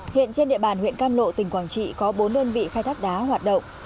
hiện trên địa bàn huyện cam lộ tỉnh quảng trị có bốn đơn vị khai thác đá hoạt động